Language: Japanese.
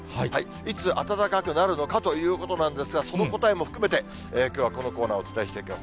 いつ暖かくなるのかということなんですが、その答えも含めて、きょうはこのコーナー、お伝えしていきます。